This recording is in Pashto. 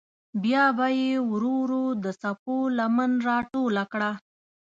بیا به یې ورو ورو د څپو لمن راټوله کړه.